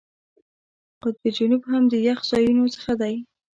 قطب جنوب هم د یخ ځایونو څخه دی.